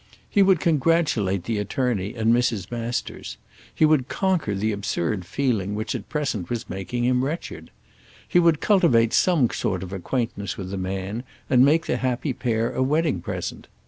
He would congratulate the attorney and Mrs. Masters. He would conquer the absurd feeling which at present was making him wretched. He would cultivate some sort of acquaintance with the man, and make the happy pair a wedding present.